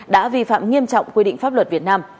đã vi phạm nghiêm trọng quy định pháp luật việt nam